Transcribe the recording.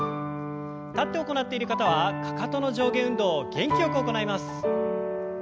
立って行っている方はかかとの上下運動を元気よく行います。